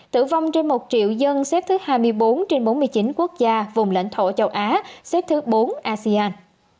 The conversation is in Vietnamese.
tử vong trên một triệu dân xếp thứ hai mươi bốn trên bốn mươi chín quốc gia vùng lãnh thổ châu á xếp thứ bốn asean